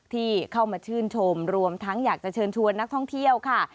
ที่เข้ามาชื่นชมรวมทั้งอยากจะเชิญชวนนักท่องเที่ยวค่ะ